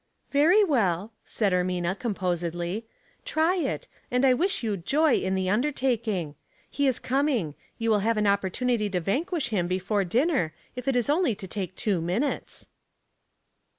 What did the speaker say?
"Very well," said Ermina, composedly. '*Try it, and I wish you joy in the undertaking. He is coming. You will have an opportunity to vanquish him before dinner if it is only to take fwo minutes."